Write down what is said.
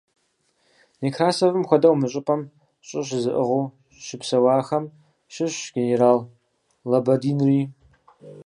Некрасовым хуэдэу мы щӀыпӀэм щӀы щызыӀыгъыу щыпсэуахэм щыщщ генерал Лабадинри.